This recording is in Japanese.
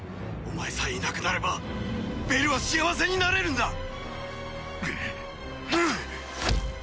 お前さえいなくなればベルは幸せになれるんだ。